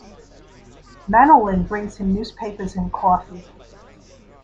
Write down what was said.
Manolin brings him newspapers and coffee.